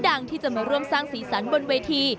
ดังที่จะมาร่วมสร้างสีสันบนเวที